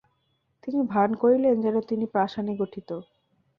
তিনি ভান করিলেন যেন তিনি পাষাণে গঠিত।